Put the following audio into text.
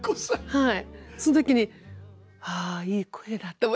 はい。